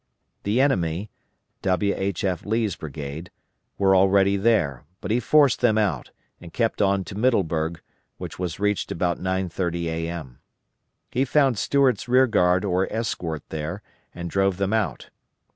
The enemy (W. H. F. Lee's brigade) were already there, but he forced them out, and kept on to Middleburg, which was reached about 9.30 A.M. He found Stuart's rear guard or escort there, and drove them out.